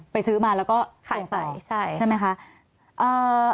ไปซื้อมาแล้วก็หายไปใช่ไหมคะ